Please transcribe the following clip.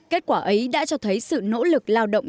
kết quả ấy đã cho thấy sự nỗ lực lao động